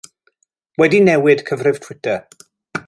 Wedi newid cyfrif Twitter.